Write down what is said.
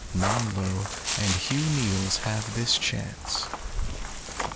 Nanlo and Hugh Neils have this chance.